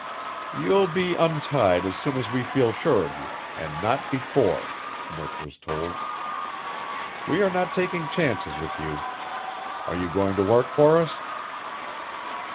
"You'll be untied as soon as we feel sure of you, and not before," Murk was told. "We are not taking chances with you. Are you going to work for us?"